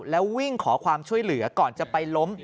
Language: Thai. แล้ววิ่งขอความช่วยเหลือก่อนจะไปล้ม